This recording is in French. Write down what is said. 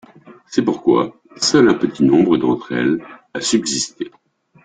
C'est pourquoi seul un petit nombre d'entre elles a subsisté.